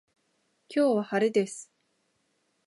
今日は晴れです